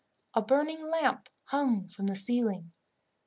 A burning lamp hung from the ceiling.